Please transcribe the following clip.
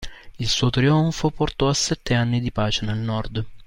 Il suo trionfo portò a sette anni di pace nel nord.